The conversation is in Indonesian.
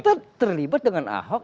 kita terlibat dengan ahok